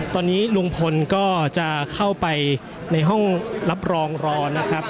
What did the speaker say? ตอนนี้ลุงพลก็จะเข้าไปในห้องรับรองรอนะครับ